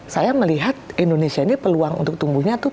saya melihat indonesia ini peluang untuk tumbuhnya itu